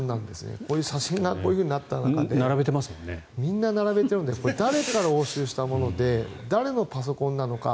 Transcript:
こういう写真がこういうふうになっている中でみんな並べているので誰から押収したもので誰のパソコンなのか。